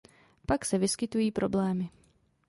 Pak se vyskytují problémy.